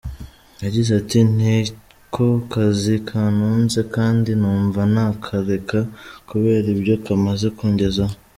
Yagize ati “ Niko kazi kantunze kandi numva ntakareka kubera ibyo kamaze kungezaho.